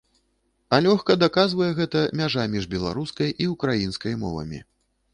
А лёгка даказвае гэта мяжа між беларускай і ўкраінскай мовамі.